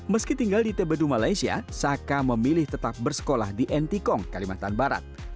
meski tinggal di tebedu malaysia saka memilih tetap bersekolah di ntkong kalimantan barat